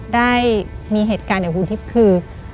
ได้มีเหตุการณ์อย่างคุณทิพย์คือ